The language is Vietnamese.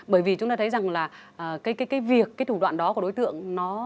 bởi vì chúng ta thấy rằng là cái việc cái thủ đoạn đó của đối tượng nó